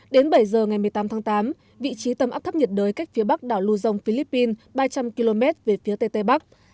đến bảy giờ ngày một mươi tám tháng tám vị trí tâm áp thấp nhiệt đới cách phía bắc đảo lưu dông philippines ba trăm linh km về phía tây tây bắc